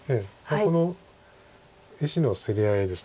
この石の競り合いです